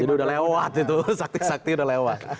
jadi udah lewat itu sakti sakti udah lewat